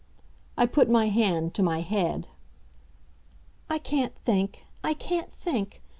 I put my hand to my head. "I can't think I can't think.